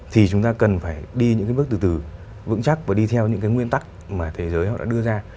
thì chúng ta cần phải đi những cái bước từ từ vững chắc và đi theo những cái nguyên tắc mà thế giới họ đã đưa ra